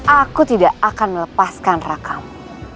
aku tidak akan melepaskan rakamu